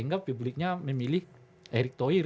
tapi publiknya memilih erik toir